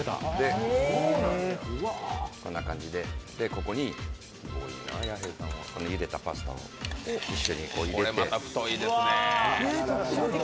ここにゆでたパスタを一緒に入れて。